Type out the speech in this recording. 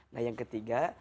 nah yang ketiga